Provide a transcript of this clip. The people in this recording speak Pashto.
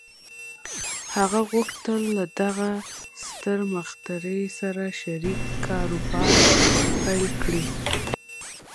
هغه غوښتل له دغه ستر مخترع سره شريک کاروبار پيل کړي.